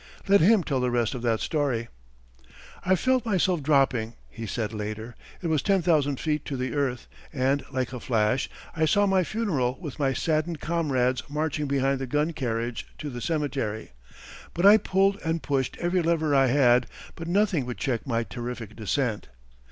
Let him tell the rest of that story: I felt myself dropping [he said later]. It was ten thousand feet to the earth, and, like a flash, I saw my funeral with my saddened comrades marching behind the gun carriage to the cemetery. But I pulled and pushed every lever I had, but nothing would check my terrific descent.